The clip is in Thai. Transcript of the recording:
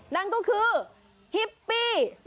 นั่นก็คือฮิปปี้